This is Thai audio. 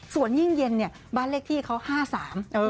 สวนยิ่งเย็นบ้านเลขที่เขา๕๓